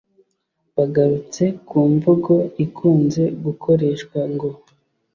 bagarutse ku mvugo ikunze gukoreshwa ngo